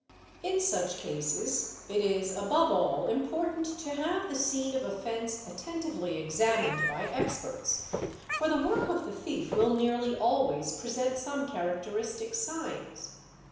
||~ In such cases it is above all important to have the scene of offence — attentively examined by experts, for the work of the thief will nearly always present some characteristic signs.